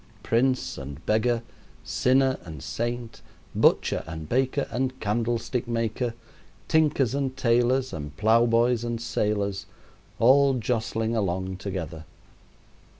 Prince and beggar, sinner and saint, butcher and baker and candlestick maker, tinkers and tailors, and plowboys and sailors all jostling along together.